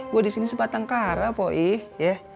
gua di sini sebatang kara po ii